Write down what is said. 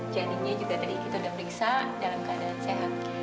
janinya juga tadi kita udah meriksa dalam keadaan sehat